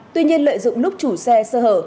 tuy nhiên lợi dụng lúc chủ xe sơ hở